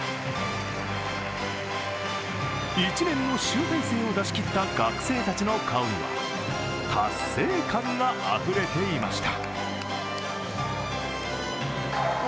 １年の集大成を出しきった学生たちの顔には達成感があふれていました。